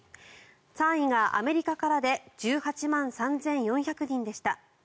３位がアメリカからで１８万３４００人でした。